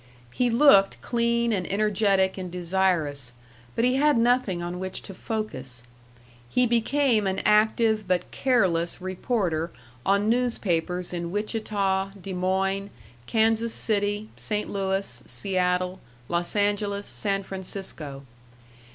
He looked clean and energetic and desirous, but he had nothing on which to focus. He became an active but careless reporter on newspapers in Wichita, Des Moines, Kansas City, St. Louis, Seattle, Los Angeles, San Francisco.